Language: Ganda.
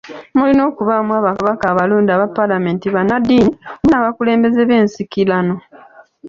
Mulina okubaamu ababaka abalonde aba Paalamenti, bannaddiini wamu n'abakulembeze b'ensikirano.